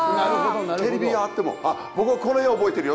テレビがあってもあっ僕はこの辺覚えてるよ。